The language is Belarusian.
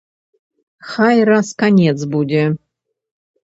Хай раз канец будзе!